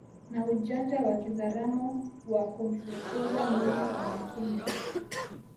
na ujanja wa kizaramo wa kumfukuza mwizi kimyakimya